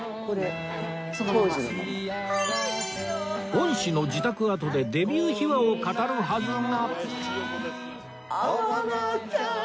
恩師の自宅跡でデビュー秘話を語るはずが